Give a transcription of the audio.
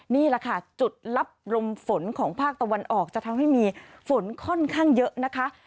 นี่แหละค่ะจุดรับลมฝนของภาคตะวันออกจะทำให้มีฝนค่อนข้างเยอะนะคะ